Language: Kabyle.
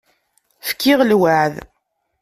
Fkiɣ lweεd.